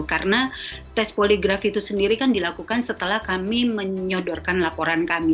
karena tes poligraf itu sendiri kan dilakukan setelah kami menyodorkan laporan kami